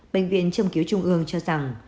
bệnh viện trâm cứu trung ương cho rằng